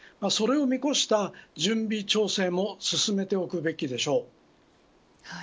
それを見越した準備調整も進めておくべきでしょう。